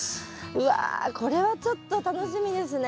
うわこれはちょっと楽しみですね。